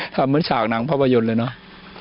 เหมือนฉากหนังภาพยนตร์เลยเนาะ